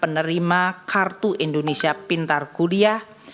penerima kartu indonesia pintar kuliah